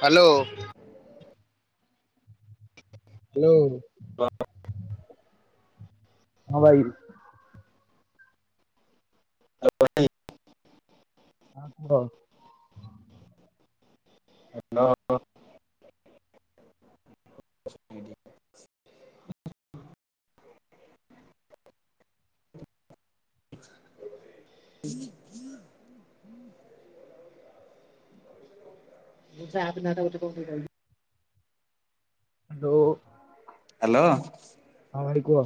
Hello. Hello ହଁ ଭାଇ [unintelligible] ହଁ କ ହଁ ହ [unintelligible] ହ୍ୟାଲୋ ହ୍ୟାଲୋ ହଁ ଭାଇ କୁହ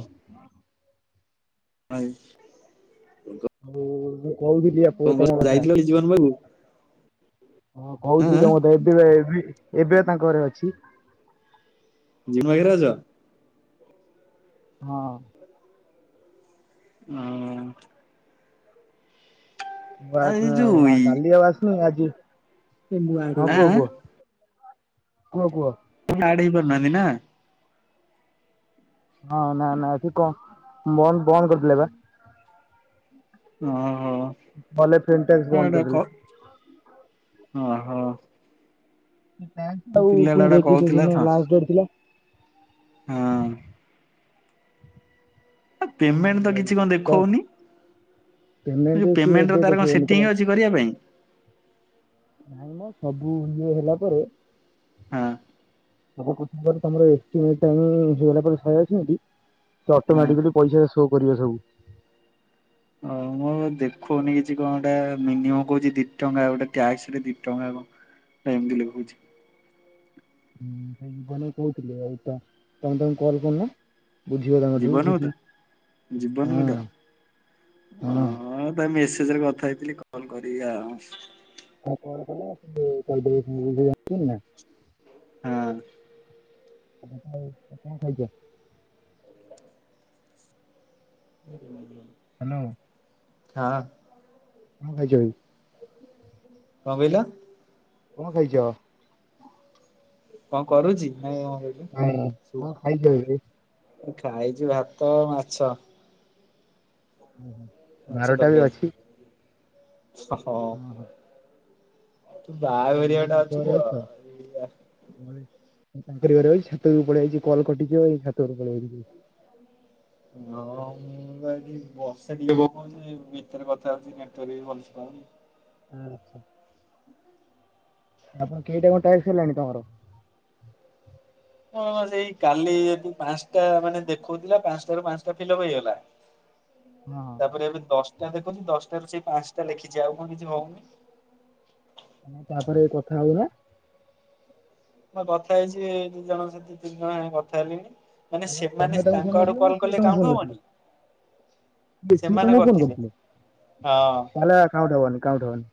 ଆଇ ହଉ ମୁଁ କହୁଥିଲି ଆ ତମ କଥା ଯାଇଥିଲ ଜୀବନ ବାବୁ ହଁ ଆଁ କହୁଥିଲି ଆଁ ତମତେ ଏବେ ବା ଏବେ ତାଙ୍କ ଘରେ ଅଛି। ଜିନ୍ମଗ୍ରେ ଅଛ? ହଁ ଆଉ ଏଇ ଯୋଉ ମୁଁ ଇ କାଲି ଆବାସ ନାଇ ଆଜି ଆଁ ଆଁ ହଁ କୁହ କୁହ କୁହ କୁହ ଟିକ ଆଡ ହେଇ ପାରୁନାହାନ୍ତି ନା। ହଁ ନା ନା ଏଠ କ'ଣ ବ ବନ୍ଦ ବନ୍ଦ କରିଦେଲେ ବା ଓ ହୋ ଗଲେ ଫିନଟେକ୍ସ ବନ୍ଦ ଏଟା କ କରିଦେଲେ। ଓ ହୋ ଆ ଗୋଟା ପୁଣି କହୁଥିଲା ତ [unintelligible] ଥିଲା। ହଁ। ପେମେଣ୍ଟ ଆଉ ତ ଭାଇ କିଛି କଣ ଦେଖଉନି ସିଏ ପେମେଣ୍ଟ ର ଏବେ ତାର କଣ ଦେଖିବନି ସେଟିଂ ତମେ ଅଛି କରିବା ପାଇଁ? ନାଇଁ ମ ସବୁ ଇଏ ହେଲା ପରେ ହଁ। [unintelligible] ସେ ହଁ ଅଟୋମେଟିକାଲି ପଇସା ଶୋ କରିବ ସବୁ। ହଁ ମ ଦେଖୁନି କିଛି କଣ ଗୋଟେ ମିନିମ କହୁଛି ଦି ଟଙ୍କା ଗୋଟେ ଟାକ୍ସ ଦି ଟଙ୍କା କଣ ଏମିତି ଲେଖୁଚି। ହୁଁ ସୋଇ ବନେଇ କହୁଥିଲେ ଆଉ ତ ତମେ ତମକୁ କଲ କରୁନ ବୁଝିଗ ତମଠୁ ଜୀବନକୁ ତ ଉଠିଛି ଜୀବନକୁ ହଁ ତ ହଁ। ମେସେଜ ରେ କଥା ହେଇଥିଲି କଲ କରିବି ଆଉ। [unintelligible] ହଁ। କଣ ଖାଇଛ? [inaudible] ହ୍ୟାଲୋ। ହଁ। ହଁ ଭାଇ ଯାଇ କଣ କହିଲ? କଣ ଖାଇଛ? କଣ କରୁଛି? କହିଲ? [unintelligible] କଣ ଖାଇଛ ଏବେ? ଖାଇଛୁ ଭାତ, ମାଛ ମାଛ ବାରଟା ବି ତରକାରୀ। ଅଛି ହଁ। ତୁ [unintelligible] ବାହାଘରିଆ ଟା ତାଙ୍କ ଅଛୁ ତ। ଘରେ ଅଛ? ଏଇଆ। ତାଙ୍କ ଘରେ ଛାତ ବି ପଳେଇାଇଛି କଲ୍ କଟିଛି ଛାତରେ ପଳେଇଛି। ହଁ ମୁଁ ଗ ଏଠି ବସେ ଟିକେ ପକାଉଛି ଭିତରେ କଥା ହଉଛି ନେଟ ବି ଭଲ ପାଉନି ଆଛା। ହ ଆପଣ କେଇ ଟାଇମ ଟ୍ୟାକ୍ସ ହେଲାଣି ତମର? ହଁ ସେଇ କାଲି ଯଦି ପାଞ୍ଚଟା ମାନେ ଦେଖଉଥିଲା ପାଞ୍ଚଟାରୁ ପାଞ୍ଚଟା ଫିଲପ ହେଇଗଲା। ହ ତାପରେ ଏବେ ଦଶଟା ଦେଖୁଛି ଦଶଟାାରୁ ସେଇ ପାଞ୍ଚଟା ଲେଖିଛି ଆଉ କଣ କିଛି ହଉନି। ତ ତାପରେ କଥା ହଉ ନା ହଁ କଥା ହେଇଛି ଦି ଜଣ ସେ ଦି ତିନି ଜଣ ହେ କଥା ହେଲିଣି ମାନେ ତମେ ସେମାନେ ତାଙ୍କୁ ତାଙ୍କ ଆଡୁ କରିଥିଲ ନା କଲ ସିଏ କଲେ ତମକୁ କାଁଠୁ କରିଥିଲେ? ହବନି ସିଏ ସେମାନେ ତମକୁ ଫୋନ କରିଥିଲେ କରୁଥିଲେ ହଁ ତାହଲେ କାଉଁଠ ହବନି କାଉଁଠ ହବନି।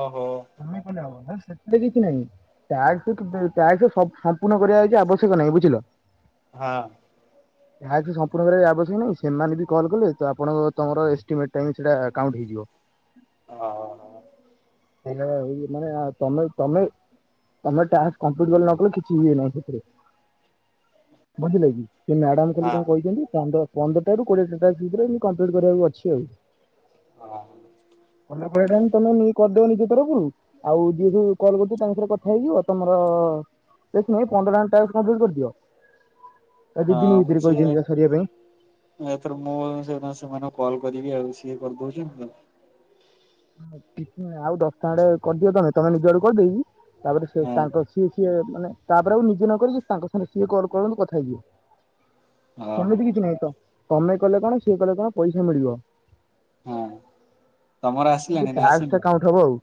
ଓହୋ ତମେ କଲେ ହବ ନା ସେଥିରେ କିଛି ନାହିଁ। ଟାକ୍ସ ଟାକ୍ସ ସମ୍ପୂର୍ଣ୍ଣ କରିବାଛି ଆବଶ୍ୟକ ନାହିଁ ବୁଝିଲ? ହଁ। ଏହା କି ସମ୍ପୂର୍ଣ୍ଣରେ ଆବଶ୍ୟକ ନାହିଁ ସେମାନେ ବି କଲ୍ କଲେ ତ ଆପଣଙ୍କ ତମର ଏଷ୍ଟିମେଟ ଟ ସେଇଟା କାଉଣ୍ଟ ହେଇଯିବ। ହଁ ହଁ ହଁ। ମାନମେମେମେ ଟାପଟ କଲେ ନ କଲେ କିଛି ହୁଏ ନାହିଁ ସେଥିରେ ବୁଝି ଲାଗି ସେ ମ୍ୟାଡାାମ ଖା ହଁ କଣ କହିଛନ୍ତି? ପନ୍ଦ ପନ୍ଦରଟ ରାରୁ କୋଡିଏଟା ଟା ଭିତରେ ଏ କମ୍ପ୍ଲିଟ କରିବାକୁ ଅଛି ଆଉ ହଁ। ପ ଟା ତମେ କରିଦବ ନିଜ ତରଫରୁ ଆଉ ଯିଏ ଯଉ କଲ୍ କରୁଛୁ ତାଙ୍କ ଥରେ କଥା ହେଇଯିବ ତମର। ଏଇ ଖୁଣି ପନ୍ଦରଟା ଟାସ୍କ କମ୍ପ୍ଲିଟ କରିଦିଅ। ତା ଦି ଦିନି ହଁ ମୁଁ ଭିତରେ ସେ କହିଛନ୍ତି ବା ସରିବା ପାଇଁ। ଏଥର ମୁଁ ସେମାନଙ୍କୁ କଲ୍ କରିବି ଆଉ ସିଏ କରିଦଉଛନ୍ତି ତ। କିଛି ନାଇଁ ଆଉ ଦଶଟା ଆଡେ କରିଦିଅ ତମେ ତମେ ନିଜ ଆଡୁ କରିଦେଇକି ତାପରେ ସେ ହଁ ତାଙ୍କ ସିଏ ସିଏ ମାନେ ତାପରେ ଆଉ ନିଜେ ନକରିକି ତାଙ୍କ ସାଙ୍ଗେ ସିଏ କଲ୍ କରନ୍ତୁ କଥା ହେଇଯିବ। ହଁ ସେମିତି ହଁ କିଛି ନାହିଁ ତ ତମେ କଲେ କଣ ସିଏ କଲେ କଣ ପଇସା ମିଳିବ। ହଁ ତମର ଆସିଲାଣି ନା ଟାସ୍କ ଆସିନି ଟା କାଉଣ୍ଟ ହବ ଆଉ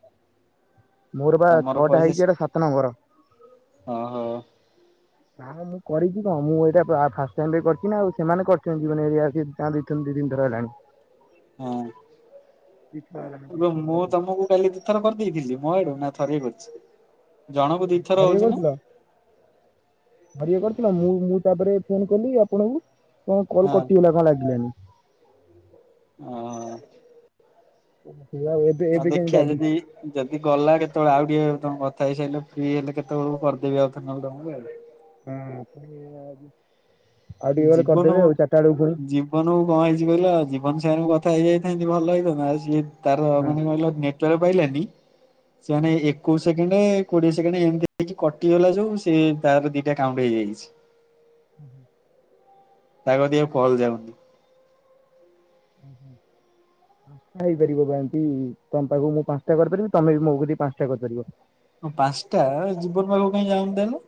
ମୋର ବା ଛଅଟା ହେଇଛି ଏଟା ସାତ ନମ୍ବର। ଅ ହୋ। ନାଁ ମୁଁ କରିଛି ତ ମୁଁ ଏଇଟା ଫାଷ୍ଟ ଟାଇମରେ କରିଛି ନା ଆଉ ସେମାନେ କରିଛନ୍ତି ଜଉ ମାନେ [unintelligible] ତା ଭିତରୁ ଦି ତିନି ଥର ହେଲାଣି। ହଁ ଏବେ ମୁଁ ହରିଏ ତମକୁ କାଲି ଦି ଥର କରିଦେଇଥିଲି ମୋ ଆଡୁ ନା ଥରିଏ କରିଛି। ଜଣକୁ ଦିଥର ଥରିଏ ହଉଛି ନା କରିଥିଲ। ଥରିଏ କରିଥିଲ ମୁଁ ମୁଁ ତାପରେ ଫୋନ କଲି ଆପଣଙ୍କୁ କଣ କଲ କଟିଗଲା କଣ ଲାଗିଲାନି। ଅ। [inaudible] ଆ ଦେଖିବା ଲାଗିଛି। ଯଦି। ଯଦି ଗଲା କେତେବେଳେ ଆଉ ଟିକେ ତମ କଥା ହେଇସାରିଲେ ଫ୍ରି ହେଲେ କେତେବେଳକୁ କରିଦେବି ଆଉଥରେ ନହେଲେ ତମକୁ। ଆଉ ଟିକେ ଗଲେ କରିଦେବି ଆଉ ଚାରିଟା ବେଳକୁ ଫୁଣି। ଜୀବନ କଣ ହେଇଛି କହିଲ ଜୀବନ ସାଙ୍ଗେ କଥା ହେଇଯାଇଥାନ୍ତି ଭଲ ହେଇଥାତା ଆଉ ସିଏ ତାର ହଁ ମାନେ କହିଲ ନେ ନେଟୱାର୍କ ପାଇଲାଣି ସେମାନେ ଏକୋଷ ସେକେଣ୍ଡେ କୋଡିଏ ସେକେଣ୍ଡେ ଏମିତି ହେଇକି କଟିଗଲା ଯୋଉ ସେ ତାର ଦିଟା କାଉଣ୍ଟ ହେଇଯାଇଛି। ହୁଁ ହୁ ତାକ ଦିକେ କଲ ଯାଉନି। ହୁଁ ହୁଁ। ପାଞ୍ଚଟା ହେଇପାରିବ ବା ଏମିତି ତମ ପାଖକୁ ମୁଁ ପାଞ୍ଚଟା କରିପାରିବି ତମେ ବି ମୋ କତିକି ପାଞ୍ଚଟା କରିପାରିବ। ହଁ ପାଞ୍ଚଟା ଜୀବନ ପାଖକୁ କାଇଁ ଜାଉନି ତେଣୁ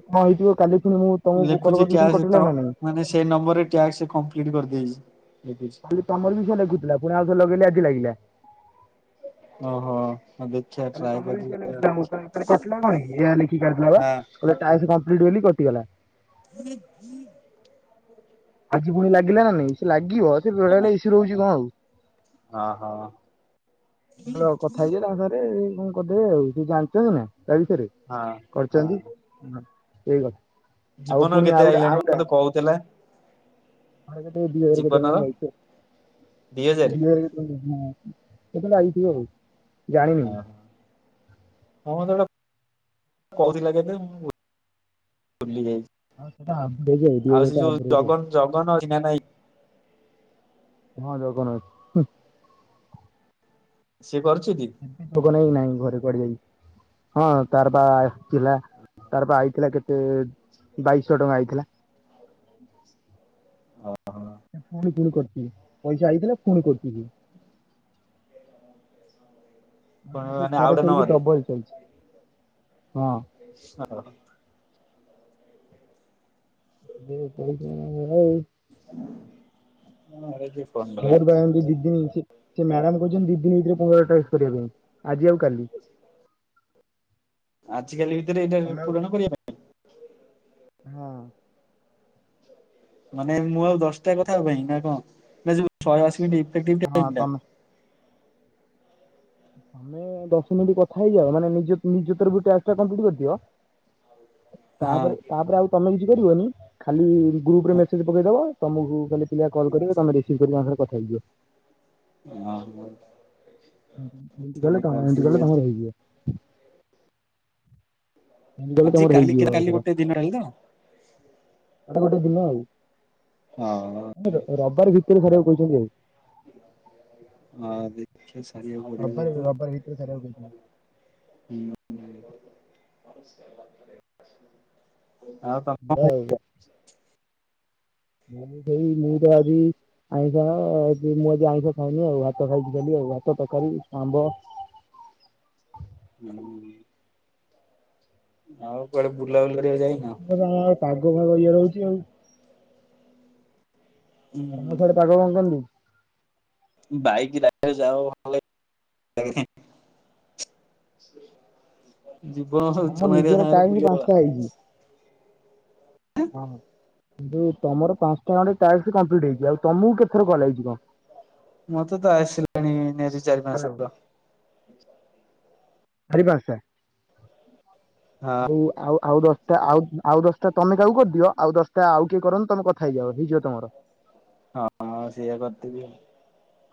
କଣ ହେଇଥିବ କାଲି ଫୁଣି ମୁଁ ତମକୁ ଲେଖୁଛି କରିଥିଲି ପୁଣି ଟ୍ୟାକ୍ସ କଟିଲା ତ ନା ନାଇଁ। ମାନେ ସେଇ ନମ୍ବର ରେ ଟ୍ୟାକ୍ସ କମ୍ପ୍ଲିଟ କରିଦିଆଯାଇଛି। ତମର ବି ସେଇଆ ଲେଖୁଥିଲା ପୁଣି ଆଉ ଥରେ ଲେଗେଇଲି ଆଜି ଲାଗିଲା। ଓହୋ ଦେଖିବା ଟ୍ରାଏ ତମର ବି ସେଇଆ ଲେଖୁଥିଲା କରିବି। [unintelligible] ମୋର କଟିଲା କଣ ପାଇଁ ଗି ଏଇୟା ଲେଖି କାଟି ଦେଲା ହଁ ବା ଟ୍ଯାକ୍ସ କମ୍ପ୍ଲିଟ୍ ବୋଲି କଟିଗଲା। [unintelligible] ଆଜି ପୁଣି ଲାଗିଲା ନା ନାଇଁ ସେ ଲାଗିବ ସେ ବେଳେ ବେଳେ ଇସୁ ରହୁଛି କଣ ଆଉ। ଓହୋ ହାଲୋ କଥା ହେଇଯିବେ ତାଙ୍କ ସାଙ୍ଗ ରେ ବୋଧେ ସେ ଜାଣିଛନ୍ତି ନା ତା ବିଷୟରେ ହଁ କରିଛନ୍ତି ସେଇ କଥା। ଆଉ ଜୀବନର ପୁଣି ଆଉ କେତେ ଗୋଟେ ଆଉ ଆଇଲାଣି ମତେ କହୁଥିଲା। ତାର କେତେ ଦି ହଜାର କେତେ ଜୀବନର କଣ ଆଇଚି ଆଉ ଦି ହଜାର କେତେ କଣ ହଁ କେବେ ଲାଗିଥିବ ଜାଣିନି। ହଁ ମତେ କହୁଥିଲା କେବେ ମୁଁ ବୁଲି ଯାଇଛି ହଁ ସେଟା ଆଭରେଜ ଦି ହଜାର ଆଉ ସେ ଟା ଯୋଉ ଆଭରେଜ ଜଗନ୍ ଜଗନ୍ ଅଛି ନା ନାହିଁ। ହଁ ଜଗନ୍ ଅଛି। ସିଏ କରୁଛିତି। ଟୁକନ ଭାଇ ନାଇଁ ଘରେ କୁଆଡେ ଯାଇଛି। ହଁ ତାର ପା ଆସିଇଥିଲା ତାରପା ଆଇଥିଲା କେତେ ବାଇଶ ଟଙ୍କା ଆଇଥିଲା। ହଁ ହଁ। ପୁଣି ପୁଣି କରିଛି ପଇସା ଆଇଥିଲା ପୁଣି କରୁଛି। ମୁଁ ମାନେ ଆଉ ଥରେ ଗୋଟେ ସେମିତି ନମ୍ବରରେ ଡବଲ ଶୋଇଛି ହଁ। [unintelligible] [unintelligible] ହଁ ହେଇଯିବ। ମୋର ବା ଏମିତି ଦିଦିନି ସେ ମ୍ୟାଡାମ କହୁଛନ୍ତି ଦିଦିନି ଭିତରେ ପୁରୁଣା ଟ୍ୟାକ୍ସ କରିବା ପାଇଁ। ଆଜି ଆଉ କାଲି। ଆଜିକାଲି ଭିତରେ ଏଇଟା ତମେ ଆଉ ପୂରଣ କରିବା ପାଇଁ। ହଁ। ମାନେ ମୁଁ ଆଉ ଦଶଟା କଥା ହବା ପାଇଁ ନା କଣ ନା ଯୋଉ ଶହେଅସି ମିନିଟ୍ ଇଫେଟିକ୍ ହଁ ଟାଇମ୍ ଟା। ତମେ ତମେ ଦଶ ମିନିଟି କଥା ହେଇଯାଅ ମାନେ ନି ନିଜ ତରଫରୁ ଟ୍ୟାକ୍ସ ଟା କମ୍ପ୍ଲଟ୍ କରିିଦିଅ ହଁ ତାପରେ-ତାପରେ ଆଉ ତମେ କିଛି କରିବନି ଖାଲି ଗ୍ରୁପ୍ ରେ ମେସେଜ ପକେଇଦବ। ତମକୁ କାଲି ପିଲା କଲ୍ କରିବେ ତମେ ରିସିଭ୍ କରିକି ତାଙ୍କ ସାଙ୍ଗରେ କଥା ହେଇଯିବ। [unintelligible] ଏମିତି କଲେ ତମର ଏମିତି କରିଦେବି କଲେ ଆଜି ତମର ହେଇଯିବ। ଏମିତି କଲେ ଆଜି ତମର କାଲି ହେଇଯିବ କାଲି ଏଥର ଗୋଟେ ଦିନ ରହିଲା ଆଉ ଗୋଟେ ଦିନ ଆଉ। ହଁ। ରବିବାର ଭିତରେ କରିବାକୁ କହିଛନ୍ତି ଆଉ। ହଁ ଦିଦିନରେ ସାରିଆ କୁ ପଡିବ ମୋତେ‌ ଆଉ। ସାରିଆ କୁ କହିଛନ୍ତି। [inaudible] ଆଉ ଏଇଆ [unintelligible] ଆଉ ଆଜି ତ ସେଇ ମୁଁ ତ ଆଜି ଆଇଁଷ ମୁଁ ଆଜି ଆଇଁଷ ଖାଇନି ଆଉ ଭାତ ଖାଇଚି ଖାଲି ଆଉ ଭାତ, ତରକାରୀ, ଆମ୍ବ ହୁଁ ଆଉ କୁଆଡେ ବୁଲା ବୁଲି କରିବା ପାଇଁ ଯାଇନ? [unintelligible] ପାଗ ଫାଗ ଇଏ ରହୁଛି ଆଉ। ତମ ସିଆଡେ ପାଗ ହୁଁ କଣ କେମିତି? ବାଇକ୍ ରାସ୍ତା ରେ ଯାଅ [unintelligible] [inaudible] ଯିବ। ଆମ ନିଜର ଟାଇମ ପାଞ୍ଚଟା ହେଇଛି। ହଁ ଯୋଉ ତମର ପାଞ୍ଚଟା ଖଣ୍ଡେ ଟ୍ୟାକ୍ସ କମ୍ପ୍ଲିଟ୍ ହେଇଛି ଆଉ ତମକୁ କେତେଥର କଲ୍ ଆଇଛି କଣ? ମତେ ତ ଆସିଲାଣି ନିହାତି ଚାରି ପାଞ୍ଚ ହ୍ୟାଲୋ ଥର। ଚାରି ପାଞ୍ଚଟା। ଆ। ଆଉ-ଆଉ ଦଶଟା ଆଉ-ଆଉ ଦଶଟା ତମେ କାହାକୁ କରିଦିଅ ଆଉ ଦଶଟା ଆଉ କିଏ କରନ୍ତୁ ତମେ କଥା ହେଇଯାଅ ଦିଦିର ତମର। ହଁ-ହଁ ସେଇଆ କରିଦବି ଆଉ।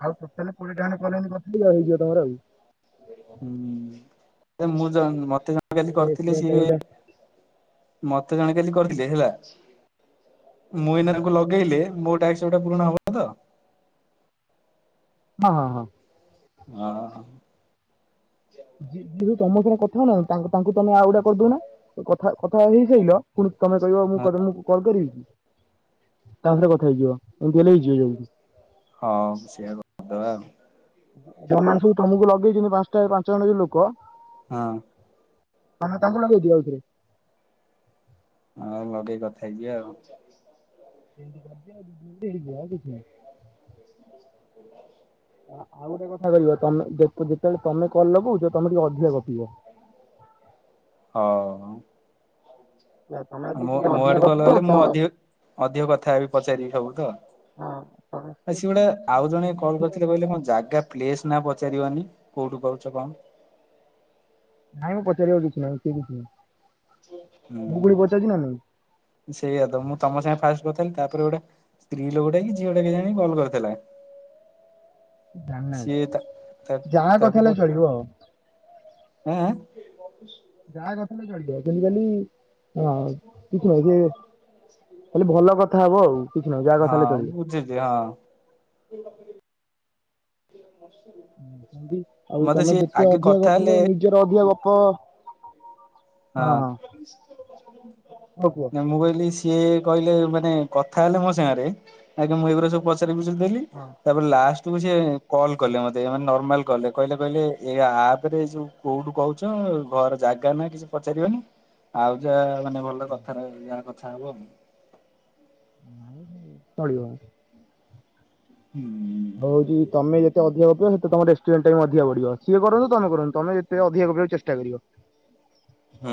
ଆଉ ଟୋଟାଲ କୋଡିଏଟା ଖଣ୍ଡେ କଲ୍ ଏମିତି କରିଦିଅ ହେଇଯିବ ତମର ଆଉ। ହୁଁ ମୁଁ ଜ ମୋତେ ଜ ମୋତେ କାଲି ଏ କରିଥିଲେ ଏଷ୍ଟିମେଟ ଟାଇମ ସିଏ ଟା ମୋତେ ଜଣେ କାଲି କରିଥିଲେ ହେଲା। ମୁଁ ଏଇନା ତାଙ୍କୁ ଲଗେଇଲେ ମୋ ଟାସ୍କ ଗୁଡା ପୁରୁଣା ହବ ତ? ହଁ-ହଁ-ହଁ। ଅଁ ହଁ-ହଁ। ଯିଏ ଯୋଉ ତମ ସାଙ୍ଗରେ କଥା ହଉନାହାନ୍ତି ତାଙ୍କୁ ତମେ ଆଉ ଗୋଟେ କରିଦଉନା କଥା-କଥା ହେଇ ସାଇିଲ ପୁଣି ତମେ କହିବ ମୁଁ ହଁ ଙ୍କ ତୁମଙ୍କୁ କଲ କରିବି କି ତା ପରେ କଥା ହେଇଯିବ। ଦେଲେ ହେଇଯି [unintelligible] ହଁ ସେଇଆ କରିଦବା ଆଉ। ଯୋଉ ମାନେ ସବୁ ତମକୁ ଲଗେଇଛନ୍ତି ପାଞ୍ଚଟା ପାଞ୍ଚ ଜଣ ଯୋଉ ଲୋକ ହଁ। ତମେ ତାଙ୍କୁ ଲଗେଇଦିଅ ଆଉଥରେ। ହଁ ଲଗେଇ କଥା ହେଇଯିବ ଆଉ। [unintelligible] ହେଇଯିବ ଆଉ କିଛି ନାହିଁ। ଆଉ ଗୋଟେ କଥା କହ ତମେ ଯେତେବେଳେ ତମେ କଲ ଲଗଉଛ ତମେ ଟିକେ ଅଧିକା ଗପିବ। ହଉ। ହେଲା, ତମେ ଯଦି ଟିକେ ମୋ ଅଧିକା ଆଡକୁ ଗପିବ କଲ ଗଲେ ତ ମୁଁ ଅଧିକ ଅଧିକ କଥାହେବି ପଚାରିବି ସବୁ ତ। ହଁ ତମେ ଆ ସିଏ ଗୋଟେ କଣ- ଆଉ ଜଣେ କଲ କରିଥିଲେ ବୋଲି କହିଲେ ମୋ ଜାଗା ପ୍ଲେସ ନା ପଚାରିବନି କୋଉଠୁ କହୁଛ କଣ। ନାଇଁ ମୁଁ ପଚାରିବାକୁ କିଛି ନାହିଁ କିଏ କିଛି ନାହିଁ। ମୁଁ ପୁଣି ପଚାରୁଛି ନା ନାଇଁ ହଁ ସେଇଆ ତ ମୁଁ ତମ ସାଙ୍ଗେ ଫାଷ୍ଟ କଥା ହୋଲି ତାପରେ ଗୋଟେ ସ୍ତ୍ରୀ ଲୋକଟା କି ଝିଅ ଟା କେଜାଣି କଲ କରିଥିଲା। [unintelligible] ସିଏ ତା ତା ଯାହା ତାକୁ କଥା ପ ହେଲେ ଚଳିବ ଆଉ। ଆଁ। ଯାହା କଥା ହେଲେ [unintelligible] ଜେନେରାଲି ହଁ କିଛି ଭ ଯେ ଖାଲି ଭଲ କଥା ହବ ଆଉ। କିଛି ନାହିଁ ଯାହା କଥା ହଁ ହେଲେ ଚଳିବ। ମୁଁ ବଝିଛି ହଁ। ନ୍ତି ଆଉ ମତେ ତମେ ସିଏ ଯେତେ ଆଗେ ଅଧିକା କଥା ଗପିବ ହେଲେ ନିଜର ଅଧିକ ଗପ ହଁ। ହଉ କୁହ। ନା ମୁଁ କହିଲି ସିଏ କହିଲେ ମାନେ କଥା ହେଲେ ମୋ ସାଙ୍ଗରେ ଆଜ୍ଞା ମୁଁ ଏଇଗୁରା ସବୁ ପଚାରି ପଚାରି ଦେଲି। ହଁ। ତାପରେ ଲାଷ୍ଟକୁ ସେ କଲ କଲେ ମତେ ମାନେ ନର୍ମାଲ୍ କଲେ କହିଲେ କହିଲେ ଏଇ ଆପ ରେ ଯୋଉ କୋଉଠୁ କହୁଛ ଘର ଜାଗା ନା କିଛି ପଚାରିବନି ଆଉ ଯାହା ମାନେ ଭଲ କଥ ଯାହା କଥା ହବ ଆଉ। [unintelligible] ଆଉ। ହୁଁ। ହଉଛି ତମେ ଯେତେ ଅଧିକା ଗପିବ ସେତେ ତମ ରେଷ୍ଟୁଣ୍ଟ ଟା ବି ଅଧିକବଡିବ ସିଏ କରନ୍ତୁ ତମେ କରନ୍ତୁ ତମେ ଟିକେ ଅଧିକା ଗପିବାକୁ ଚେଷ୍ଟା କରିବ। ହୁଁ।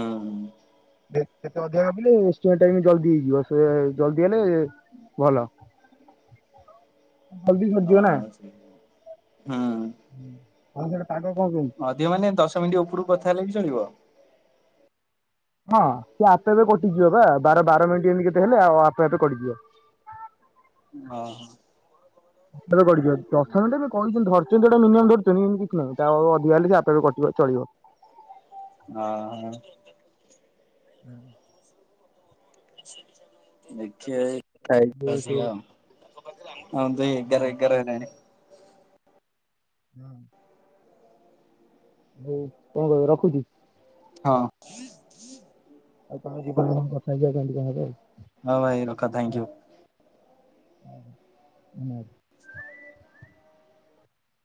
ଅଧିକା ଗପିଲୁ [unintelligible] ହେଇଯିବ ସେ ଜଲଦି ହେଲେ ଭଲ। ଜଲଦି ସରିଯିବ [unintelligible] ହୁଁ। ହୁଁ ହଁ ସେଟଟେ ପାଗ କଣ କେମିତ ଅଧିକ ମାନେ ଦଶ ମିନିଟ୍ ଉପରକୁ କଥା ହେଲେ ବି ଚଳିବ। ହଁ ସେ ଆପେ ଆପେ କଟିଯିବ ବା ବାର ବାର ମିନିଟ ଏମିତି କେତେ ହେଲେ ଆଉ ଆପେ ଆପେ କଟିଯିବ। [inaudible] ଓ ହୋ। ଏବେ ଗଡିଯିବ ଦଶ ମିନିଟ କଣ କେମିତି ଧ ସେଇଟା [unintelligible] ଧରୁୁଛନ୍ତି ମ କିଛି ନାଁ ତା ଅଧିକା ହେଲେ ସେ ଆପ କଟିବା ଚଳିବ। [unintelligible] ହ। ହୁଁ। ଦେଖିବା [unintelligible] ଯୋଉ ସେ ଆଉ। ହଉ ଦେ ଏଗାର ଏଗାର ହେଲାଣି। ହୁଁ। ହଉ କଣ କହ ରଖୁଛି। ହଁ। ଆଉ ତମେ ଜୀବନ କଥା ହେଇ [unintelligible] ଆଉ। ହଁ ଭାଇ ରଖ ହେଲା ଥ୍ୟାଙ୍କୟୁ। [unintelligible]